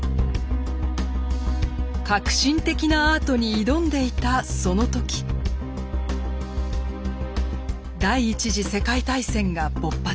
革新的なアートに挑んでいたその時第１次世界大戦が勃発。